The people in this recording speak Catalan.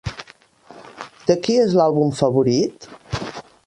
De qui és l'àlbum favorit?